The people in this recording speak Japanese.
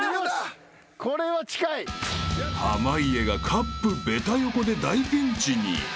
［濱家がカップベタ横で大ピンチに］